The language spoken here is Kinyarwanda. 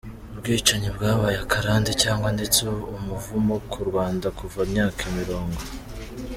Ubwicanyi bwabaye akarande, cyangwa ndetse umuvumo ku Rwanda kuva imyaka mirongo!